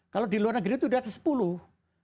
kalau di luar negeri itu sudah sepuluh